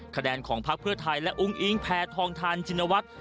คะแนนของพักเพื่อไทยและอุ้งอิงแพทองทานชินวัฒน์